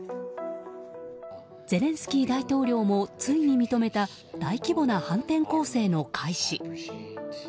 ゼレンスキー大統領もついに認めた大規模な反転攻勢の開始。